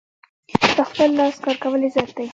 په خپل لاس کار کول عزت دی.